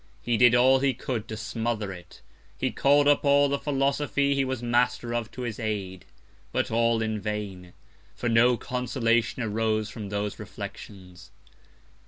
He did all he could to smother it; he call'd up all the Philosophy he was Master of to his Aid; but all in vain, for no Consolation arose from those Reflections.